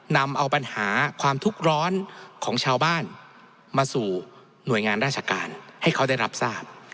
นำเอาปัญหาความทุกข์ร้อนของชาวบ้านมาสู่หน่วยงานราชการให้เขาได้รับทราบ